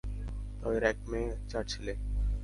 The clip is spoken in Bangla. তাদের এক মেয়ে, চার ছেলে।